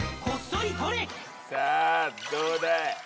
さぁどうだ？